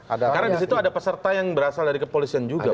karena di situ ada peserta yang berasal dari kepolisian juga pak